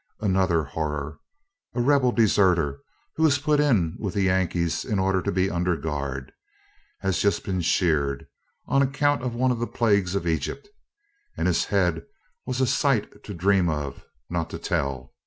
Another horror: a rebel deserter, who was put in with the Yankees in order to be under guard, has just been sheared, on account of one of the plagues of Egypt; and his head was a sight to dream of, not to tell.